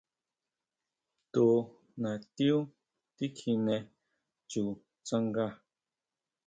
Tu natiú tikjine chu tsanga.